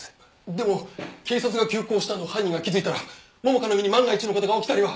でも警察が急行したのを犯人が気づいたら桃香の身に万が一の事が起きたりは。